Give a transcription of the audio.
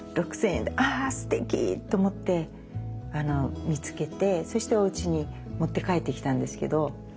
６，０００円であすてきと思って見つけてそしておうちに持って帰ってきたんですけど。